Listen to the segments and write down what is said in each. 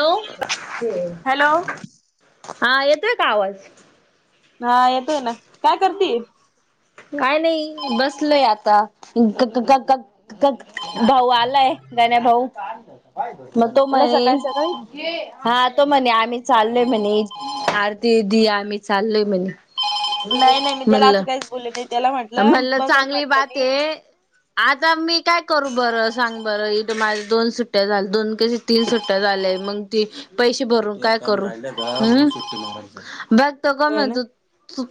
Hello hello हा येतोय काय आवाज? हा येतोय ना काय करती. काय नाही बसलोय आता क क भाऊ आलाय गण्या भाऊ मग तो एवढ्या म्हणे. सकाळी सकाळी हा तो म्हणे आम्ही चालोय म्हणे आरती दि आम्ही चालोय म्हणे. म्हणल. बोली नाही त्याला म्हटलं म्हणलं बघल चांगली म्हटलं बात मी आहे. आता मी काय करू बरं सांग बरं इथ माझ्या दोन सुट्टय़ा झाल्या दोन का सुट्टय़ा. तीन सुट्टया झाल्याय मग ते पैसे भरून काय करू हम्. बग तो काय हो ना म्हणतो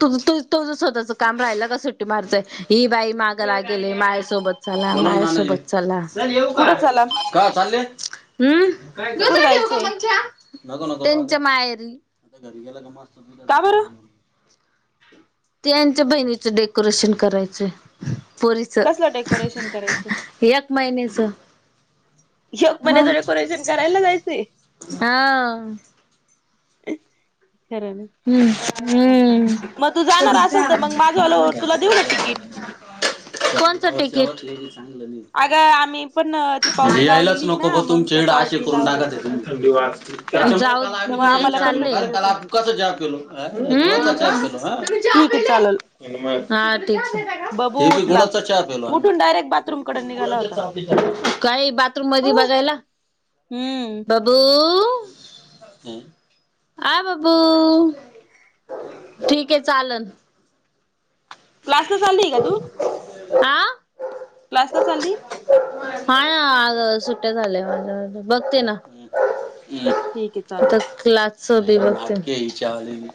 त तुझ स्वतःचा काम रायला का सु मारताय ही बाई माग ला गेली माझ्यासोबत झाला माझ्यासोबत चला. चला कुठं जायचंय हम् त्यांच्या माहेरी का बरं यांच्या बहिणीच डेकोरेशन करायचं. पोरीच कसलं डेकोरेशन करायचं एक महिन्याच. एक मग महिन्याचं डेकोरेशन करायला जायचय. हा. खर नई. [unintelligible] कोणच असल तर मग माझंवालं तुला देऊ का तिकीट टिकीट? अगं आम्ही पण ती पावती येयालाच लावलेली नको ना ग मग तुमचे त्या इकड असे पावती करून टाकता लावल्याच होतं. तुम्ही. थंडी वाजती. जाऊत तर मग नाही आम्हाला पण चालेय. भेटलेलं होतं कसं चहा पिलो, आं. हम्म, तुम्ही चहा ठीक आहे पिले. चालेल हा ठीक हे. बबू ते बी उठला गुळाचा चहा प्यालो उठून डायरेक्ट बाथरूम कडे निघाला गुळाचा चहा होता पि [unintelligible] काय ए बाथरूम मध्ये बघायला? हम्म. बबू, आ ब बू ठीक हे चालन. क्लास ला चालीय का तू? आ. क्लासला चालली? हा ना आग सुट्टया झाल्या बघते ना. ठीक आहे तो चालेल क्लासच बी बघते.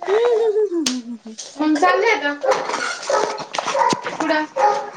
ह्म ह्म ह्म ह्म ह्म ह्म. मग चांगली आता. पुड